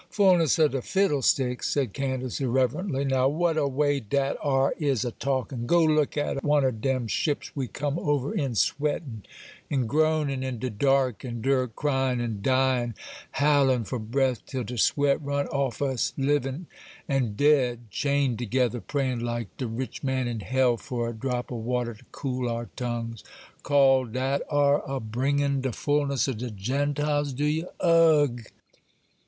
'Fulness of de fiddlesticks!' said Candace, irreverently. 'Now what a way dat ar' is of talkin'! Go look at one o' dem ships we come over in,—sweatin' and groanin'—in de dark and dirt,—cryin' and dyin',—howlin' for breath till de sweat run off us,—livin' and dead chained together,—prayin' like de rich man in hell for a drop o' water to cool our tongues! Call dat ar' a bringin' de fulness of de Gentiles, do ye?—Ugh!